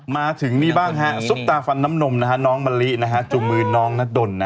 มาถึงนี่บ้างฮะซุปตาฟันน้ำนมนะฮะน้องมะลิจูงมือน้องนัดดน